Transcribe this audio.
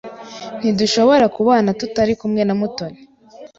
Ntidushobora kubana tutari kumwe na Mutoni.